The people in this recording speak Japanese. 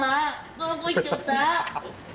どこへ行っておった？